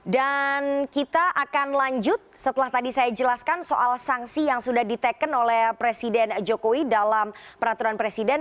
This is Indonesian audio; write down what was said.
dan kita akan lanjut setelah tadi saya jelaskan soal sanksi yang sudah diteken oleh presiden jokowi dalam peraturan presiden